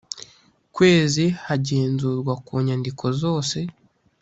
kwezi hagenzurwa ku nyandiko zose